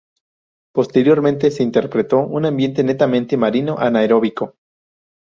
Posteriormente se interpretó un ambiente netamente marino anaeróbico.